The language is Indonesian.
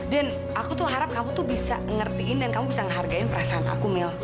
dan aku tuh harap kamu tuh bisa ngertiin dan kamu bisa ngehargain perasaan aku mel